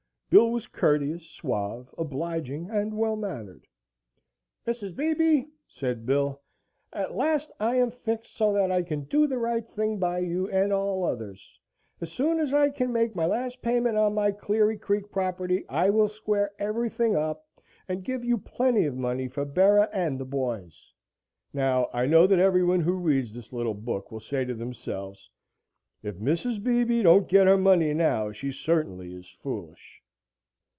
Bill was courteous, suave, obliging and well mannered. "Mrs. Beebe," said Bill, "at last I am fixed so that I can do the right thing by you and all others. As soon as I can make my last payment on my Cleary Creek property, I will square everything up, and give you plenty of money for Bera and the boys." Now, I know that everyone who reads this little book will say to themselves: "If Mrs. Beebe don't get her money now, she certainly is foolish."